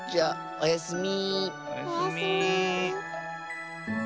おやすみ。